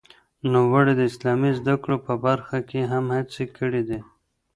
نوموړي د اسلامي زده کړو په برخه کې هم هڅې کړې دي.